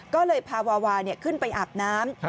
ก็เลยพาวาวาขึ้นไปอาบน้ำ